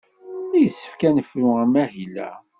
Yessefk ad nefru amahil-a.